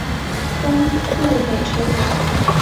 峰步美成员。